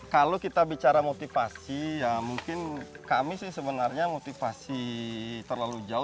kalau kita bicara motivasi ya mungkin kami sih sebenarnya motivasi terlalu jauh